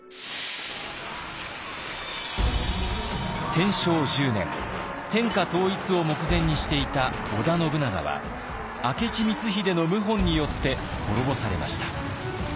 天正１０年天下統一を目前にしていた織田信長は明智光秀の謀反によって滅ぼされました。